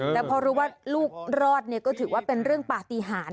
แต่พอรู้ว่าลูกรอดก็ถือว่าเป็นเรื่องปฏิหาร